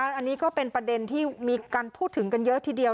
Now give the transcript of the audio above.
อันนี้ก็เป็นประเด็นที่มีการพูดถึงกันเยอะทีเดียว